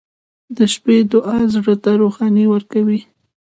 • د شپې دعا زړه ته روښنایي ورکوي.